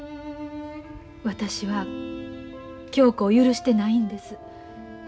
私は恭子を許してないんです。